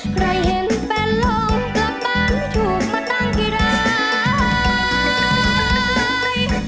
ใครเห็นแฟนลองกลับบ้านถูกมาตั้งกี่ราย